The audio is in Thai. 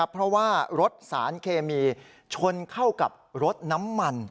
เพราะว่ารถสารเคมีชนเข้ากับรถน้ำมัน